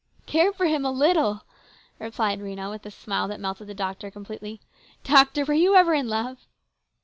" Care for him a little !" replied Rhena with a smile that melted the doctor completely. " Doctor, were you ever in love